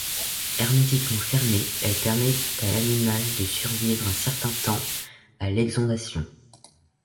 Hermétiquement fermée, elle permet à l'animal de survivre un certain temps à l’exondation.